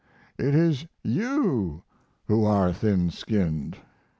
It is you who are thin skinned.